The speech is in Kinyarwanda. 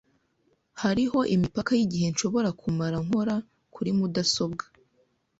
Hariho imipaka yigihe nshobora kumara nkora kuri mudasobwa.